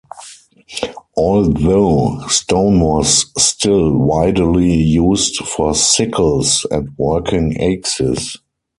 Although stone was still widely used for sickles and working axes.